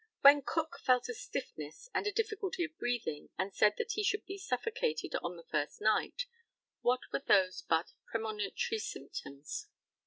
When Cook felt a stiffness and a difficulty of breathing, and said that he should be suffocated on the first night, what were those but premonitory symptoms?